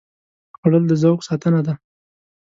خوړل د ذوق ساتنه ده